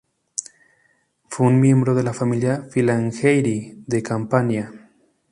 Fue un miembro de la familia Filangieri de Campania.